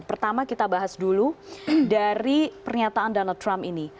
pertama kita bahas dulu dari pernyataan donald trump ini